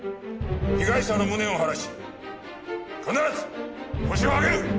被害者の無念を晴らし必ずホシを挙げる！